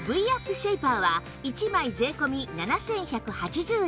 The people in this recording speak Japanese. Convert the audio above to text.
シェイパーは１枚税込７１８０円